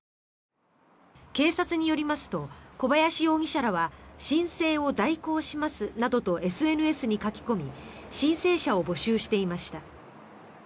警察によりますと小林容疑者らは申請を代行しますなどとＳＮＳに書き込み申請者を募集していました。